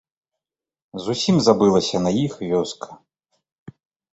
Зусім забылася на іх вёска.